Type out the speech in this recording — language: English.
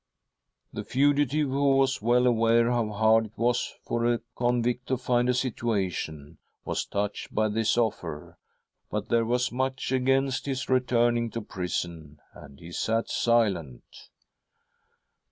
" The fugitive, who was well aware how hard it was for. a convict to find a situation, was touched by this offer, but there was much against his return ing to prison, and he sat silent.